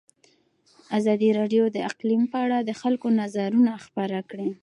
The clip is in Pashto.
ازادي راډیو د اقلیم په اړه د خلکو نظرونه خپاره کړي.